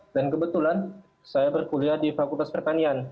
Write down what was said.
kebetulan saya berkuliah di fakultas pertanian